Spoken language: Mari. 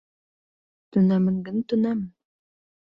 Тунемын гын, тунемын